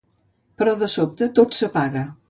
Però, de sobte, tot s'apaga.